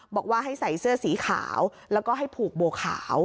บอกว่าให้ใส่เสื้อสีขาวแล้วก็ให้ผูกบัวขาว